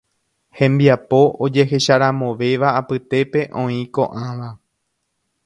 Hembiapo ojehecharamovéva apytépe oĩ ko'ãva